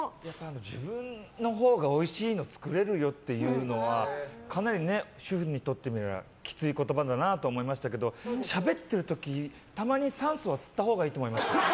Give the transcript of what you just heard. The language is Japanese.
自分のほうがおいしいの作れるよっていうのはかなり主婦にとってみればきつい言葉だなと思いましたけどしゃべってる時、たまに酸素は吸ったほうがいいと思います。